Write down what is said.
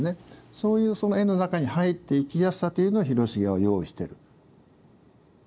そういう絵の中に入っていきやすさというのを広重は用意してる。